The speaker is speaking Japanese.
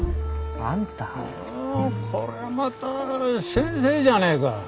ああこりゃまた先生じゃねえか。